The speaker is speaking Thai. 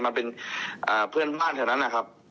มาเป็นเพื่อนบ้านแถวนั้นนะครับ